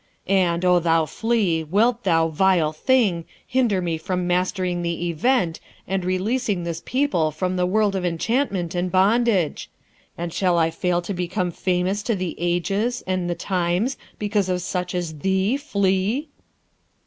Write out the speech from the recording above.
And, O thou flea, wilt thou, vile thing! hinder me from mastering the Event, and releasing this people and the world from enchantment and bondage? And shall I fail to become famous to the ages and the times because of such as thee, flea?'